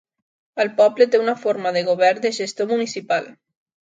El poble té una forma de govern de gestor municipal.